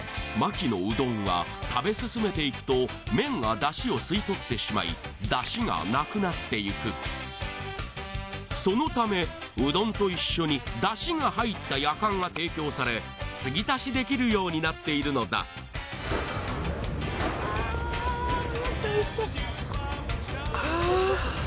牧のうどんは食べ進めていくと麺が出汁を吸い取ってしまい出汁がなくなっていくそのためうどんと一緒に出汁が入ったやかんが提供され継ぎ足しできるようになっているのだあ。